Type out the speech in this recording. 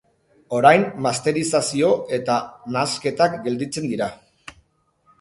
Orain masterizazio eta nahasketak gelditzen dira.